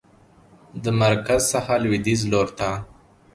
د مرکز څخه لویدیځ لورته